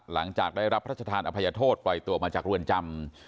หลังจากได้รับพระชธานอภัยโทษปล่อยตัวมาจากเรือนจำ